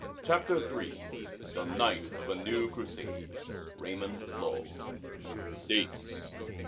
] CHAPTER III THE KNIGHT OF A NEW CRUSADE Raymund Lull (Dates, b.